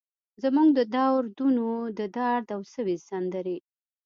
زموږ د دور دونو ، ددرد او سوي سندرې